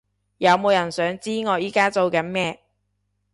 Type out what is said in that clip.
有冇人想知我而家做緊咩？